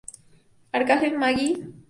Arcángel Maggio, Bs.As.